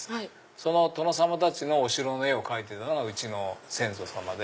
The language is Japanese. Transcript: その殿様たちのお城の絵を描いてたのがうちの先祖さまで。